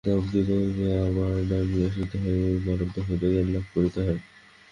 দেবতাদিগকেও আবার নামিয়া আসিতে হয় এবং মানবদেহের মাধ্যমে জ্ঞানলাভ করিতে হয়।